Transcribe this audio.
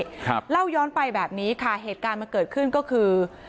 ครับเล่าย้อนไปแบบนี้ค่ะเหตุการณ์มันเกิดขึ้นก็คือ